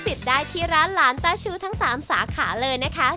ขอบคุณครับ